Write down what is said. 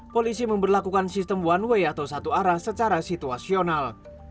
polisi memperlakukan sistem one way atau satu arah secara situasional